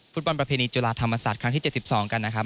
ประเพณีจุฬาธรรมศาสตร์ครั้งที่๗๒กันนะครับ